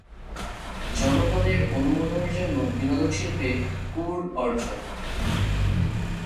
জনগণের অনুমোদনের জন্য বিনোদন শিল্পে কু'র অর্জন।